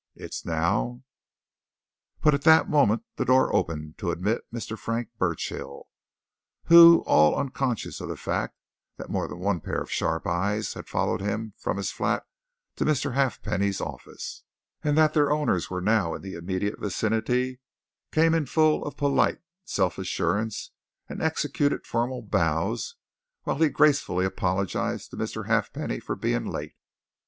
It's now " But at that moment the door opened to admit Mr. Frank Burchill, who, all unconscious of the fact that more than one pair of sharp eyes had followed him from his flat to Mr. Halfpenny's office, and that their owners were now in the immediate vicinity, came in full of polite self assurance, and executed formal bows while he gracefully apologised to Mr. Halfpenny for being late.